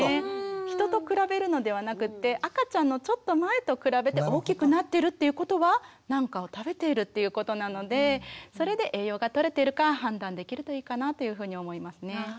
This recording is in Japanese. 人と比べるのではなくって赤ちゃんのちょっと前と比べて大きくなってるっていうことは何かを食べているっていうことなのでそれで栄養がとれてるか判断できるといいかなというふうに思いますね。